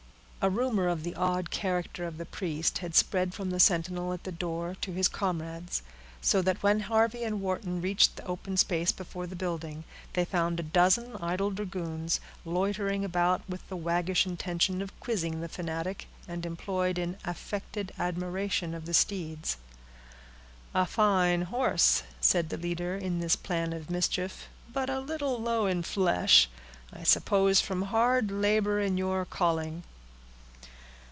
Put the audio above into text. A rumor of the odd character of the priest had spread from the sentinel at the door to his comrades; so that when Harvey and Wharton reached the open space before the building, they found a dozen idle dragoons loitering about with the waggish intention of quizzing the fanatic, and employed in affected admiration of the steeds. "A fine horse!" said the leader in this plan of mischief; "but a little low in flesh. I suppose from hard labor in your calling."